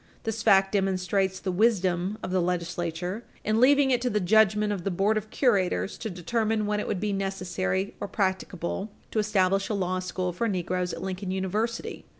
This fact demonstrates the wisdom of the legislature in leaving it to the judgment of the board of curators to determine when it would be necessary or practicable to establish a law school for negroes at Lincoln University.